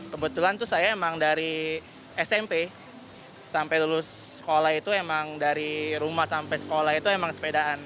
kebetulan tuh saya emang dari smp sampai lulus sekolah itu emang dari rumah sampai sekolah itu emang sepedaan